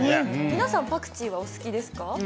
皆さんパクチーはお好きですか。